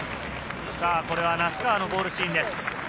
これは名須川のゴールシーンです。